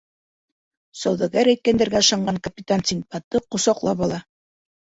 Сауҙагәр әйткәндәргә ышанған капитан Синдбадты ҡосаҡлап ала.